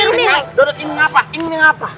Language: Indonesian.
dorot ini apa ini apa